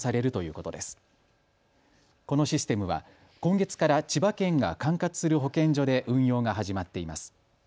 このシステムは今月から千葉県が管轄する保健所で運用が始まっています。